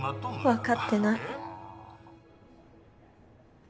わかってない。